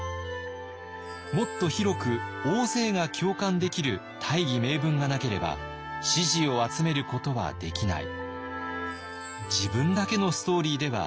もっと広く大勢が共感できる大義名分がなければ支持を集めることはできない。